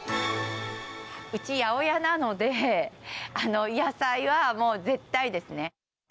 うち、八百屋なので、野菜はもう絶対ですね。